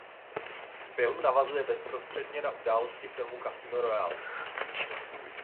Film navazuje bezprostředně na události filmu "Casino Royale".